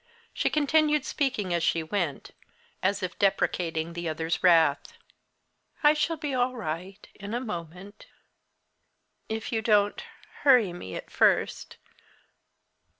She continued speaking as she went, as if deprecating the other's wrath. "I shall be all right in a moment if you don't hurry me at first.